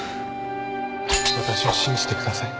わたしを信じてください。